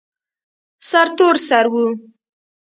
سرتور سر و.